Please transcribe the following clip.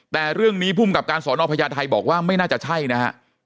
แต่เรื่องนี้ภูมิกับการสอนอพญาไทยบอกว่าไม่น่าจะใช่นะฮะ